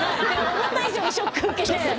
・思った以上にショック受けて。